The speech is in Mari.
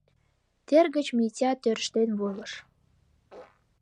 Тер гыч Митя тӧрштен волыш.